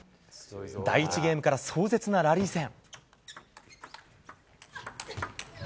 第１ゲームから壮絶なラリー戦。